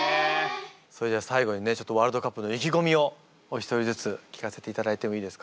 それでは最後にねワールドカップの意気込みをお一人ずつ聞かせていただいてもいいですか？